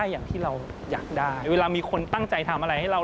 อยากได้เวลามีคนตั้งใจทำอะไรให้เรา